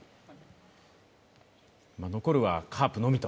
残るはカープのみと。